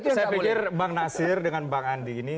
saya pikir bang nasir dengan bang andi ini